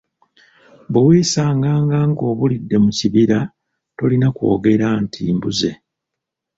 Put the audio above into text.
Bwe weesanganga ng’obulidde mu kibira tolina kwogera nti “mbuze”.